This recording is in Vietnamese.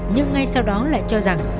nhưng ngay sau đó lại cho rằng